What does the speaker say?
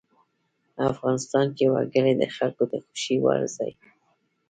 افغانستان کې وګړي د خلکو د خوښې وړ ځای دی.